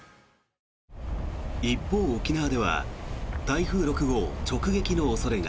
一方、沖縄では台風６号直撃の恐れが。